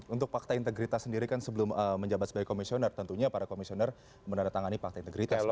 untuk fakta integritas sendiri kan sebelum menjabat sebagai komisioner tentunya para komisioner menandatangani fakta integritas